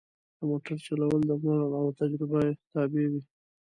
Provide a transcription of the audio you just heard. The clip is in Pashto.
د موټر چلول د عمر او تجربه تابع وي.